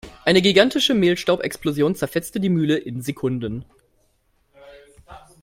Eine gigantische Mehlstaubexplosion zerfetzte die Mühle in Sekunden.